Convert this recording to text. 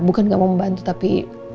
bukan gak mau membantu tapi